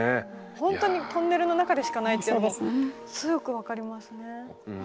ほんとにトンネルの中でしかないというのもすごくよく分かりますね。